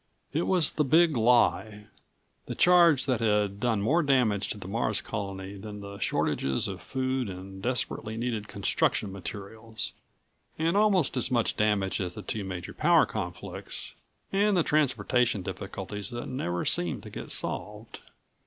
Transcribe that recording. It was the Big Lie the charge that had done more damage to the Mars Colony than the shortages of food and desperately needed construction materials, and almost as much damage as the two major power conflicts and the transportation difficulties that never seemed to get solved.